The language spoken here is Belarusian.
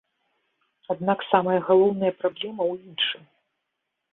Аднак самая галоўная праблема ў іншым.